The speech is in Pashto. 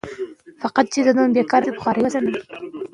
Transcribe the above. د کور دننه رطوبت منځنی وساتئ.